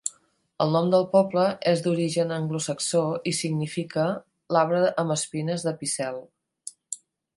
El nom del poble és d'origen anglosaxó i significa "l'arbre amb espines de Picel".